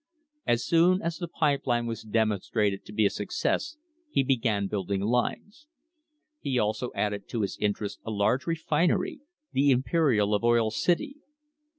As soon as the pipe line was demonstrated to be a success he began building lines. He also added to his interests a large refinery, the Imperial of Oil City.